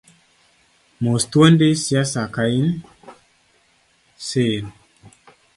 Mos thuondi siasa kain, cllr.